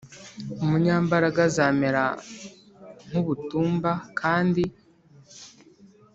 Umunyambaraga azamera nk ubutumba kandi